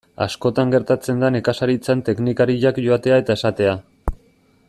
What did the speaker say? Askotan gertatzen da nekazaritzan teknikariak joatea eta esatea.